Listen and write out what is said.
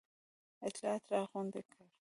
اطلاعات را غونډ کړي.